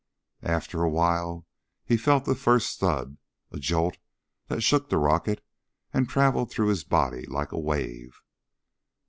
After a while he felt the first thud, a jolt that shook the rocket and traveled through his body like a wave.